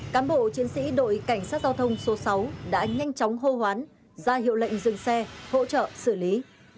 cán bộ chiến sĩ đội cảnh sát giao thông số sáu đã nhanh chóng hô hoán ra hiệu lệnh dừng xe hỗ trợ xử lý